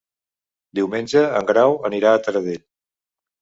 Diumenge en Grau anirà a Taradell.